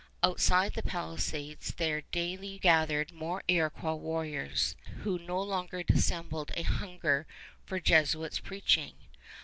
Outside the palisades there daily gathered more Iroquois warriors, who no longer dissembled a hunger for Jesuits' preaching.